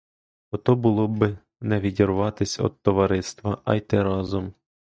Ото було б не відбиватись от товариства, а йти разом.